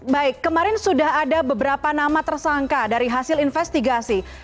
baik kemarin sudah ada beberapa nama tersangka dari hasil investigasi